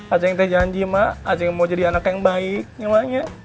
acing nanti janji mak acing mau jadi anak yang baik ya mak